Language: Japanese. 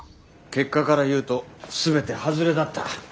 結果から言うと全て外れだった。